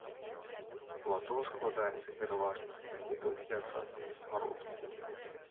Плато складаецца пераважна з гранітаў і асадкавых парод.